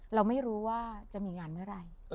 เรารู้สึกกว่า